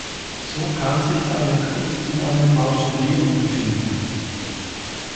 So kann sich eine Gruft in einem Mausoleum befinden.